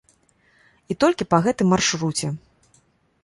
І толькі па гэтым маршруце.